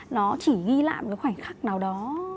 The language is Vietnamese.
nó chỉ ghi lại một khoảnh khắc nào đó